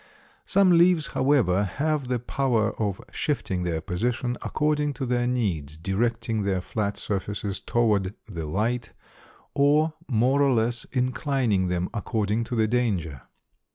Some leaves, however, have the power of shifting their position according to their needs, directing their flat surfaces toward the light, or more or less inclining them according to the danger.